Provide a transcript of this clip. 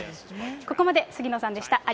ここまで杉野さんでした。